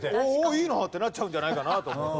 「いいな！」ってなっちゃうんじゃないかなと思って。